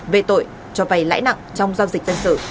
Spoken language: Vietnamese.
về tội cho vay lãi nặng trong giao dịch dân sự